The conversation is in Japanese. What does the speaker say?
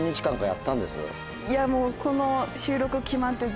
いやもうこの。